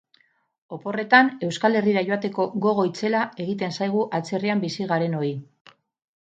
Oporretan Euskal Herrira joateko gogo itzela egiten zaigu atzerrian bizi garenoi.